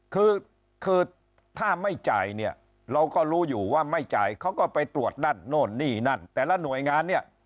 คือคือถ้าไม่จ่ายเนี่ยเราก็รู้อยู่ว่าไม่จ่ายเขาก็ไปตรวจนั่นโน่นนี่นั่นแต่ละหน่วยงานเนี่ย